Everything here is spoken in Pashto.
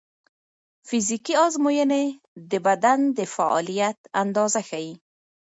فزیکي ازموینې د بدن د فعالیت اندازه ښيي.